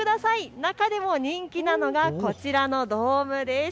中でも人気なのがこちらのドームです。